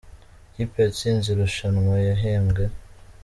Ikipe yatsinze irushanwa yahembwe